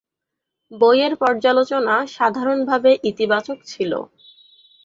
বইয়ের পর্যালোচনা সাধারণভাবে ইতিবাচক ছিল।